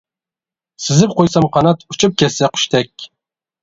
سىزىپ قويسام قانات، ئۇچۇپ كەتسە قۇشتەك.